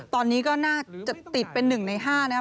ตอนนี้ก็น่าจะติดเป็นหนึ่งในห้านะครับ